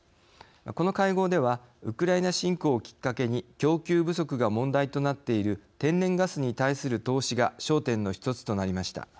この会合ではウクライナ侵攻をきっかけに供給不足が問題となっている天然ガスに対する投資が焦点の一つとなりました。